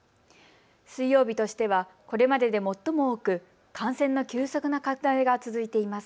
水曜日としては、これまでで最も多く感染の急速な拡大が続いています。